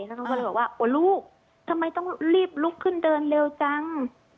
แล้วเขาก็เลยบอกว่าโอ้ลูกทำไมต้องรีบลุกขึ้นเดินเร็วจัง